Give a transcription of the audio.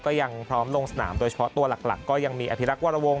ก็ยังพร้อมลงสนามโดยเฉพาะตัวหลักก็ยังมีอภิรักษ์วรวงศ